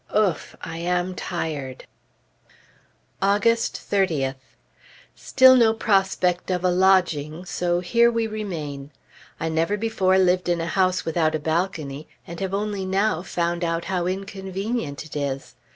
Ouf! I am tired! August 30th. Still no prospect of a lodging; so here we remain. I never before lived in a house without a balcony, and have only now found out how inconvenient it is.